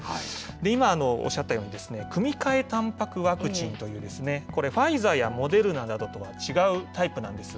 今、おっしゃったように、組換えたんぱくワクチンという、これ、ファイザーやモデルナとは違うタイプなんです。